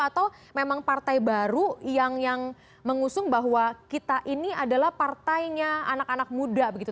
atau memang partai baru yang mengusung bahwa kita ini adalah partainya anak anak muda begitu